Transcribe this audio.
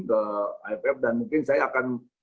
ke iff dan mungkin saya akan